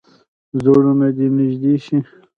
زړونه دې نږدې شي.